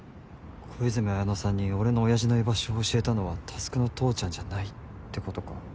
小泉文乃さんに俺の親父の居場所を教えたのは匡の父ちゃんじゃないってことか？